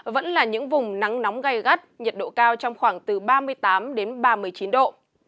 vẫn là những vùng nắng nóng gai gắt nhiệt độ cao trong khoảng từ ba mươi tám ba mươi chín độ